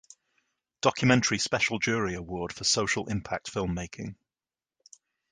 Documentary Special Jury Award for Social Impact Filmmaking.